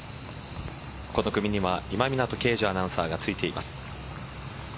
この組には今湊敬樹アナウンサーがついています。